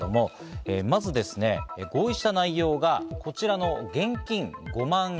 まず合意した内容がこちらの現金５万円。